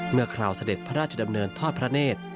คราวเสด็จพระราชดำเนินทอดพระเนธ